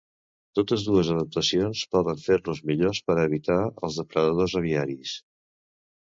Totes dues adaptacions poden fer-los millors per a evitar els depredadors aviaris.